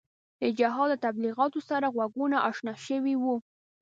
د جهاد له تبلیغاتو سره غوږونه اشنا شوي وو.